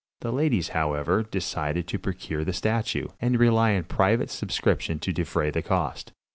The ladies, however, decided to procure the statue, and rely on private subscription to defray the cost.